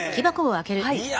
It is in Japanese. はい。